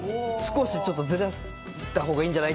ちょっとずらした方がいいんじゃない？